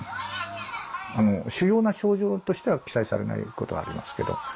主要な症状としては記載されないことありますけど。